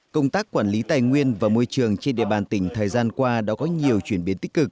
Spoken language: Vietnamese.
công tác quản lý tài nguyên và môi trường trên địa bàn tỉnh thời gian qua đã có nhiều chuyển biến tích cực